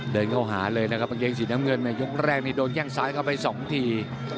เดินเข้าหาเลยนะครับกางเกงสีน้ำเงินในยกแรกนี่โดนแข้งซ้ายเข้าไปสองที